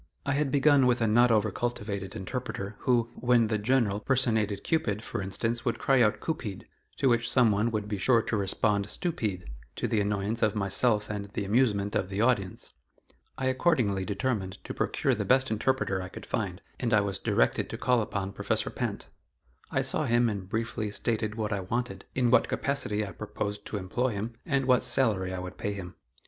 I had begun with a not over cultivated interpreter, who, when the General personated Cupid, for instance, would cry out "Coopeed," to which some one would be sure to respond "Stoopeed," to the annoyance of myself and the amusement of the audience. I accordingly determined to procure the best interpreter I could find and I was directed to call upon Professor Pinte. I saw him and briefly stated what I wanted, in what capacity I proposed to employ him, and what salary I would pay him.